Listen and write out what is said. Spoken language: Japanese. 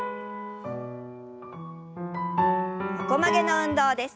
横曲げの運動です。